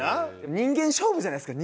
人間勝負じゃないですか。